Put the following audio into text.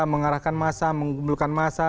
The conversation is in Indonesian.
mengarahkan masa mengumpulkan masa